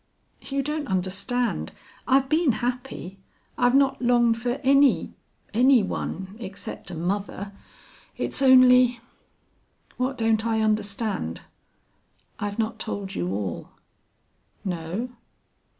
"You don't understand. I've been happy. I've not longed for any any one except a mother. It's only " "What don't I understand?" "I've not told you all." "No?